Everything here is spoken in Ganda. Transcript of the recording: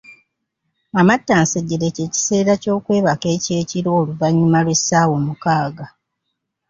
Amattansejjere ky'ekiseera ky’okwebaka eky’ekiro oluvannyuma lw’essaawa omukaaga.